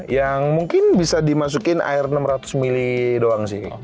yang mungkin bisa dimasukin air enam ratus mili doang sih